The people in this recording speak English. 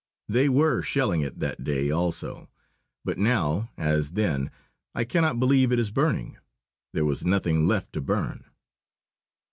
They were shelling it that day also. But now, as then, I cannot believe it is burning. There was nothing left to burn.